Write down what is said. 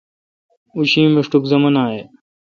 اں شی مشٹوک زُمان اے°۔